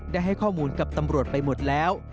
ได้ให้ข้อมูลกับตำรวจไปหมดแล้ว